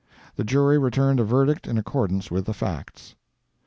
The jury returned a verdict in accordance with the facts.